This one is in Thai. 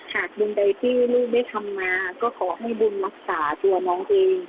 หากบุญใดที่ลูกได้ทำมาก็ขอให้บุญรักษาตัวน้องเอง